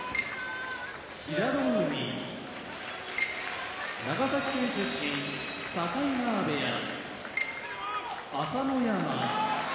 平戸海長崎県出身境川部屋朝乃山